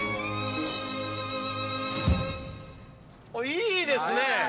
いいですね！